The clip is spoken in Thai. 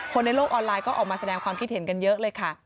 ในโลกออนไลน์ก็ออกมาแสดงความคิดเห็นกันเยอะเลยค่ะ